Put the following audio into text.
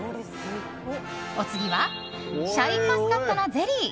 お次はシャインマスカットのゼリー。